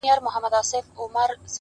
دا یې ګز دا یې میدان -